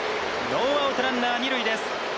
ノーアウト、ランナー二塁です。